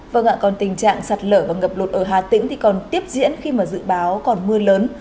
vâng ạ còn tình trạng sạt lở và ngập lụt ở hà tĩnh thì còn tiếp diễn khi mà dự báo còn mưa lớn